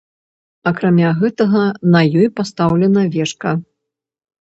Акрамя гэтага, на ёй пастаўлена вежка.